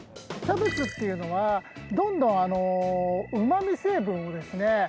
キャベツっていうのはどんどんうまみ成分をですね